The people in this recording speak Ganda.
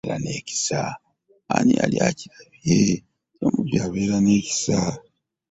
Ani yali akirabye nti omubbi abeera n'ekisa?